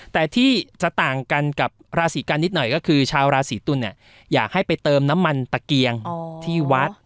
แต่ที่จะต่างกันกับราศีกันนิดหน่อยก็คือชาวราศีตุลเนี่ยอยากให้ไปเติมน้ำมันตะเกียงที่วัด